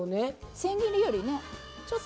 千切りよりねちょっと。